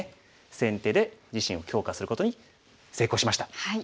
先手で自身を強化することに成功しました。